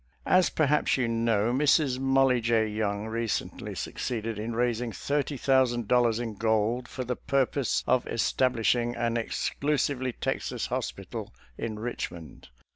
As perhaps you know, Mrs. Mollie J. Young recently succeeded in raising thirty thousand dol lars in gold for the purpose of establishing an exclusively Texas hospital in Richmond.